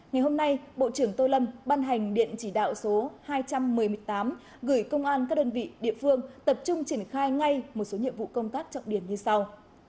ngày hôm nay bộ trưởng tô lâm ban hành điện chỉ đạo số hai trăm một mươi tám gửi công an các đơn vị địa phương tập trung triển khai ngay một số nhiệm vụ công tác trọng điểm như sau